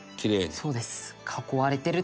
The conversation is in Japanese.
「そうです」